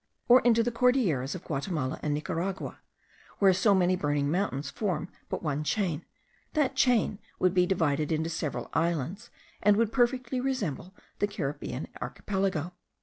or into the Cordilleras of Guatimala and Nicaragua, where so many burning mountains form but one chain, that chain would be divided into several islands, and would perfectly resemble the Caribbean Archipelago.